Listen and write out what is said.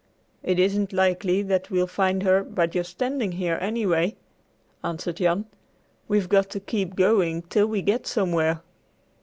"It isn't likely that we'll find her by just standing here, anyway," answered Jan. "We've got to keep going till we get somewhere."